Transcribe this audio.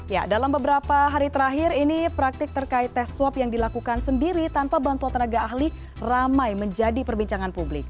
ya dalam beberapa hari terakhir ini praktik terkait tes swab yang dilakukan sendiri tanpa bantuan tenaga ahli ramai menjadi perbincangan publik